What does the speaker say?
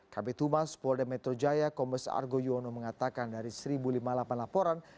kb tumas polda metro jaya kombes argo yuwono mengatakan dari satu lima puluh delapan laporan